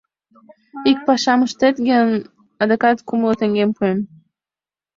Ик пашам ыштет гын, адакат кумло теҥгем пуэм...